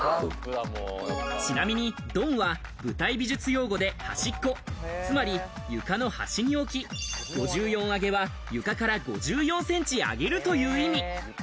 ちなみにドンは舞台美術用語で端っこ、つまり床の端に置き、５４上げは、床から５４センチ上げるという意味。